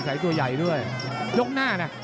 ตัวใหญ่ด้วยยกหน้านะ